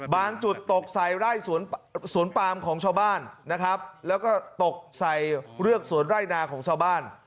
จุดตกใส่ไร่สวนปามของชาวบ้านนะครับแล้วก็ตกใส่เรือกสวนไร่นาของชาวบ้าน